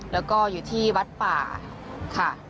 แล้วก็อยู่ที่วัดป่าค่ะ